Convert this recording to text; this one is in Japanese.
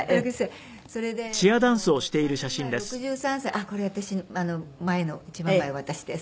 あっこれ私前の一番前私です。